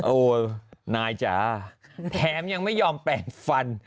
โอ้นายจ๋าแถมยังไม่ยอมแปลงฟัน